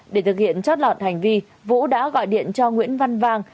để thực hiện trót lọt hành vi vũ đã gọi điện cho nguyễn văn vang